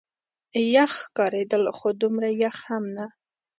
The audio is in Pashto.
یخ ښکارېدل، خو دومره یخ هم نه.